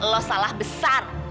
lo salah besar